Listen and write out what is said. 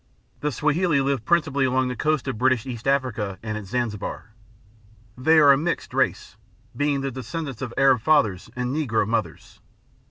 The Swahili live principally along the coast of British East Africa and at Zanzibar. They are a mixed race, being the descendants of Arab fathers and negro mothers.